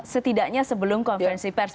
setidaknya sebelum konferensi pers